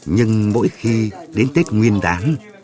nhưng mỗi khi đến tết nguyên đáng